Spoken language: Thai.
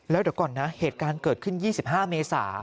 แล้วเดี๋ยวก่อนนะเหตุการณ์เกิดขึ้น๒๕เมษา